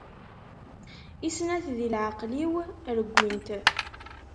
I snat di leɛqeli-iw reggint.